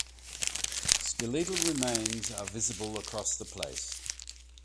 Skeletal remains are visible across the place.